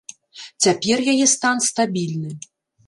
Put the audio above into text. Цяпер яе стан стабільны.